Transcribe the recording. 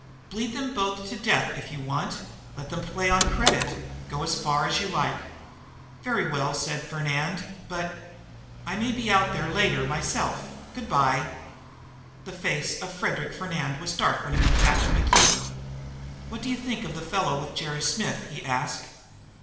"Bleed them both to death if you want. Let them play on credit. Go as far as you like." "Very well," said Fernand, "but " "I may be out there later, myself. Good by." The face of Frederic Fernand was dark when he went back to McKeever. "What do you think of the fellow with Jerry Smith?" he asked.